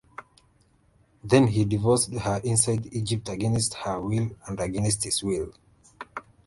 Then he divorced her inside Egypt against her will and against his will.